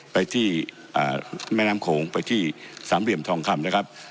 ไปที่แม่น้ำโขงไปที่สามเหลี่ยมทองคำนะครับ